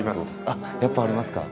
あっやっぱありますか。